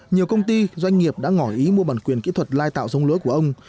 nhiều công ty doanh nghiệp đã ngỏ ý mua bản quyền kỹ thuật lai tạo giống lúa của ông